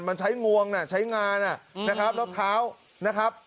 มันใช้งวงนะใช้งานนะรถเท้านะครับ